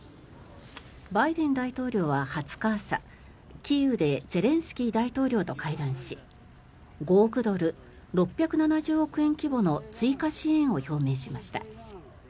バイデン大統領は２０日朝キーウでゼレンスキー大統領と会談し５億ドル、６７０億円規模の追加支援を表明しました。